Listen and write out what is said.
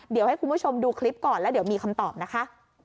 เดี๋ยวให้คุณผู้ชมดูคลิปก่อนแล้วเดี๋ยวมีคำตอบนะคะ